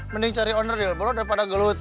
mending cari oneril bro daripada gelut